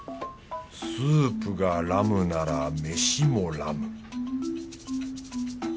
スープがラムなら飯もラム